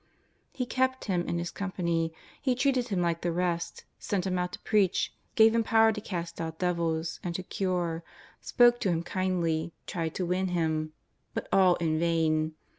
He kept him in His company. He treated him like the rest, sent him out to preach, gave him power to cast out devils and to cure, spoke to him kindly, tried to win him — but all in vain.